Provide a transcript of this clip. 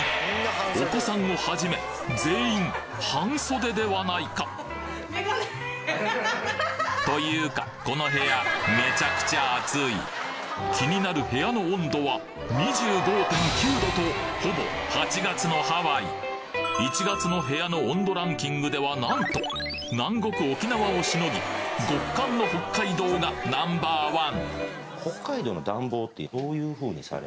お子さんを始め全員半袖ではないか！というかこの部屋めちゃくちゃ暑い気になる部屋の温度は２５．９℃とほぼ８月のハワイ１月の部屋の温度ランキングではなんと南国沖縄をしのぎ極寒の北海道がナンバーワン！